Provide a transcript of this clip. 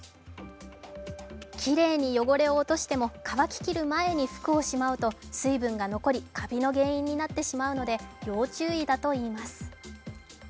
きれいに汚れを落としても乾ききる前に服をしまうと、カビの原因になってしまうので要注意だといいます。